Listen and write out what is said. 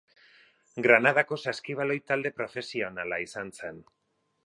Granadako saskibaloi talde profesionala izan zen.